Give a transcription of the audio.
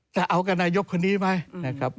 จะเอากับนายกคนนี้ไหม